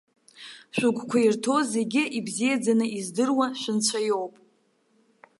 Шәыгәқәа ирҭоу зегьы, ибзиаӡаны издыруа шәынцәа иоуп.